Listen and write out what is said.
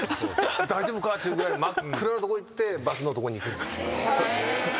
大丈夫かっていうぐらい真っ暗なとこ行ってバスのとこに行くんですよ。